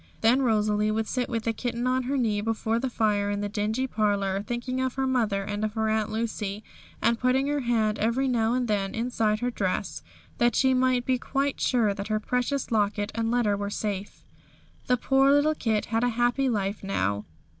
Then Rosalie would sit with the kitten on her knee before the fire in the dingy parlour, thinking of her mother and of her Aunt Lucy, and putting her hand every now and then inside her dress, that she might be quite sure that her precious locket and letter were safe. The poor little kit had a happy life now.